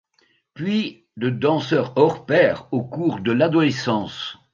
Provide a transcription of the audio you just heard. Puis de danseur hors pair au cours de l'adolescence.